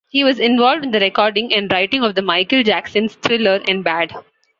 He was involved in the recording and writing of Michael Jackson's "Thriller" and "Bad".